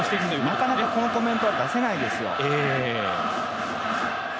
なかなかこのコメントは出せないですよ。